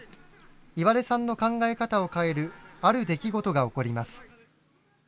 岩出さんの考え方を変えるある出来事が起こります。